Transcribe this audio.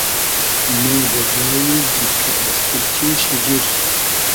مۉ دۂ جایی جیرکۂ اېستیرچی, شیجیر